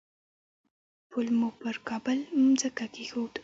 پل مو پر کابل مځکه کېښود.